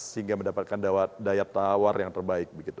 sehingga mendapatkan daya tawar yang terbaik